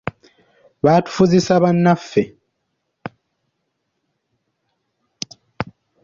Baatufuzisa bannaffe.